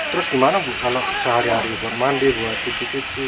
terus gimana bu kalau sehari hari bermandi buat cuci cuci